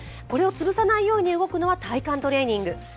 これをつぶさないように動くのが体幹トレーニング。